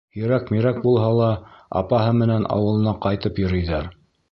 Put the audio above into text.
Һирәк-мирәк булһа ла, апаһы менән ауылына ҡайтып йөрөйҙәр.